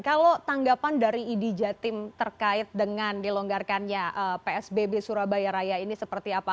kalau tanggapan dari idi jatim terkait dengan dilonggarkannya psbb surabaya raya ini seperti apa